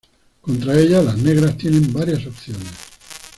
Contra ella, las negras tiene varias opciones.